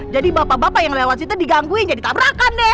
jadi bapak bapak yang lewat situ digangguin jadi tabrakan deh